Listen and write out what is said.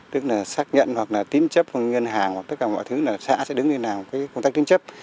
tức là xác nhận hoặc là tín chấp ngân hàng hoặc tất cả mọi thứ là xã sẽ đứng lên làm công tác tín chấp